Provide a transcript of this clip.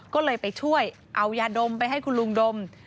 ก็เลยไปช่วยเอายาดมไปให้คุณลุงดม